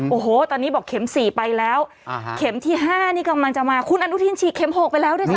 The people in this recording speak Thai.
โอ้โหตอนนี้บอกเข็ม๔ไปแล้วเข็มที่๕นี่กำลังจะมาคุณอนุทินฉีดเข็ม๖ไปแล้วด้วยจ้